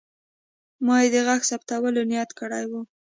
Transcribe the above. ما یې د غږ ثبتولو نیت کړی و.